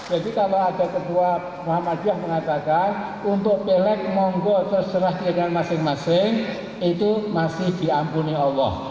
jadi kalau ada ketua muhammadiyah mengatakan untuk pelek monggo terserah diri dengan masing masing itu masih diampuni allah